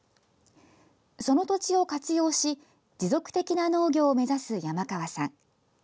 その土地を活用し持続的な農業を目指す山川さん。